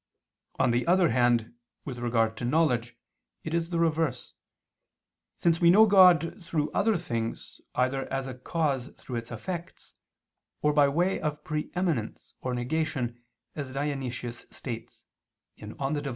On the other hand, with regard to knowledge, it is the reverse, since we know God through other things, either as a cause through its effects, or by way of pre eminence or negation as Dionysius states (Div.